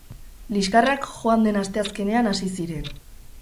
Liskarrak joan den asteazkenean hasi ziren.